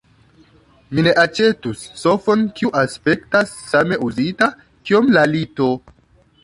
Mi ne aĉetus sofon kiu aspektas same uzita kiom la lito.